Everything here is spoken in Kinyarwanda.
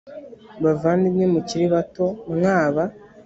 bavandimwe mukiri bato mwaba